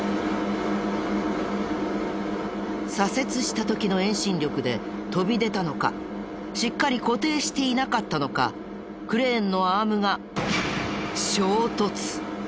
左折した時の遠心力で飛び出たのかしっかり固定していなかったのかクレーンのアームが衝突。